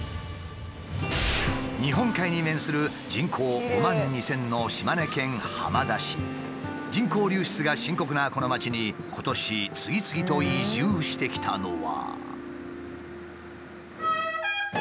日本海に面する人口５万２，０００の人口流出が深刻なこの町に今年次々と移住してきたのは。